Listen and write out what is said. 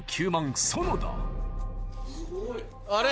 あれ？